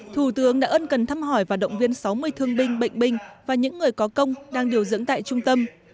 thủ tướng đã ân cần thăm hỏi và động viên sáu mươi thương binh bệnh binh và những người có công đang điều dưỡng tại trung tâm